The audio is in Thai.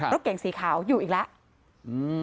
รถเก๋งสีขาวอยู่อีกแล้ว